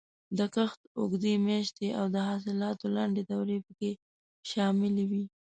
د کښت اوږدې میاشتې او د حاصلاتو لنډې دورې پکې شاملې وې.